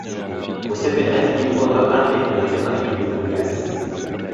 Museveni alijibu kwamba Amin lazima ajibu dhambi zake